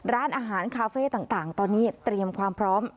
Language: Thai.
ร้านอาหารคาเฟ่ต่างตอนนี้เตรียมความพร้อม